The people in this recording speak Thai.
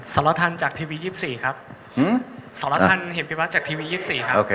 สรรทันจากเทวี๒๔ครับ